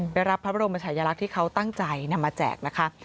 รับพระบรมชายลักษณ์ที่เขาตั้งใจนำมาแจกนะคะ